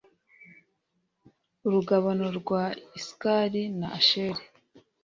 Urugabano rwa Isakari na Asheri